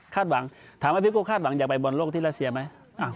หวังถามว่าพี่โก้คาดหวังอยากไปบอลโลกที่รัสเซียไหม